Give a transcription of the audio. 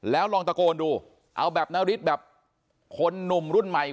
แล้วลองตะโกนดูเอาแบบนฤทธิ์แบบคนหนุ่มรุ่นใหม่